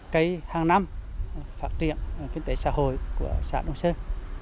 cái hàng năm phát triển kinh tế xã hội của xã đông sơn